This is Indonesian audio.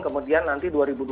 kemudian nanti dua ribu dua puluh